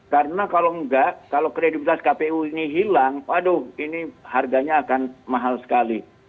karena kalau enggak kalau kredibilitas kpu ini hilang aduh ini harganya akan mahal sekali